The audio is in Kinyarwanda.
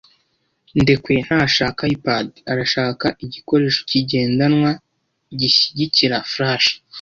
Ndekwe ntashaka iPad. Arashaka igikoresho kigendanwa gishyigikira Flash.